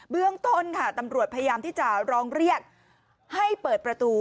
เรื่องต้นค่ะตำรวจพยายามที่จะร้องเรียกให้เปิดประตู